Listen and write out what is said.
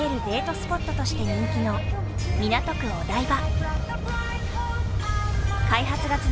スポットとして人気の港区・お台場。